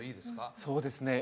そうですね